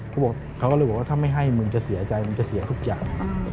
เขาบอกเขาก็เลยบอกว่าถ้าไม่ให้มึงจะเสียใจมึงจะเสียทุกอย่าง